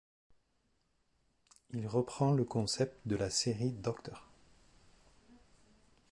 Il reprend le concept de la série Dr.